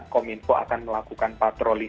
kominfo akan melakukan patroli